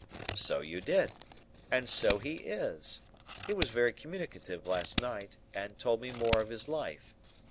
"So you did. And so he is. He was very communicative last night, and told me more of his life.